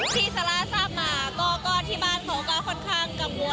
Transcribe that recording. ซาร่าทราบมาก็ที่บ้านเขาก็ค่อนข้างกังวล